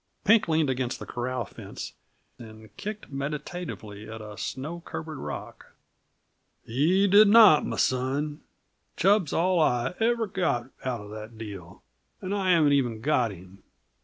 Pink leaned against the corral fence and kicked meditatively at a snow covered rock. "He did not, m' son. Chub's all I ever got out uh the deal and I haven't even got him.